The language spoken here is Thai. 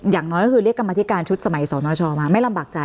อย่างน้อยก็คือเรียกกรรมธิการชุดสมัยสนชมาไม่ลำบากใจ